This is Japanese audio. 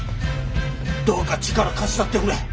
どうか力貸したってくれ。